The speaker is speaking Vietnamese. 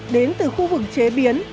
đến từ khu vực chế biến